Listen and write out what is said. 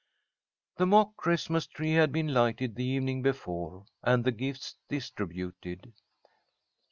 The mock Christmas tree had been lighted the evening before, and the gifts distributed.